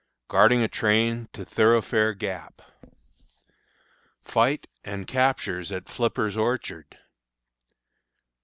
Guarding a Train to Thoroughfare Gap. Fight and Captures at Flipper's Orchard.